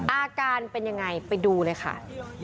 อาการเป็นยังไงไปดูเลยค่ะ